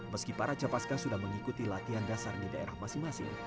meski para capaska sudah mengikuti latihan dasar di daerah masing masing